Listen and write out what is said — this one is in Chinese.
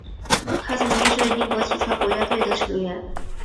他曾经是英国体操国家队的成员。